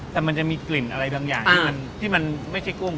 แต่มันจะมีกลิ่นอะไรบางอย่างที่มันไม่ใช่กุ้ง